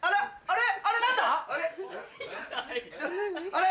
あれ？